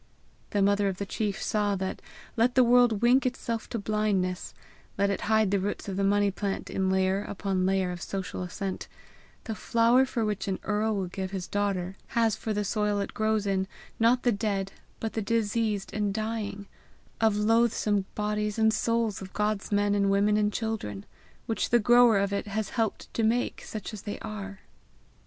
The mother of the chief saw that, let the world wink itself to blindness, let it hide the roots of the money plant in layer upon layer of social ascent, the flower for which an earl will give his daughter, has for the soil it grows in, not the dead, but the diseased and dying, of loathsome bodies and souls of God's men and women and children, which the grower of it has helped to make such as they are.